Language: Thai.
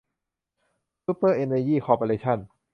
ซุปเปอร์ เอนเนอร์ยี คอร์เปอเรชั่น